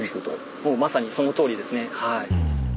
もうまさにそのとおりですね。